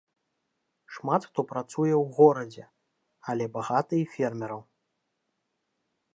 Шмат хто працуе ў горадзе, але багата і фермераў.